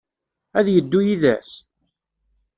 Ad yeddu yid-s?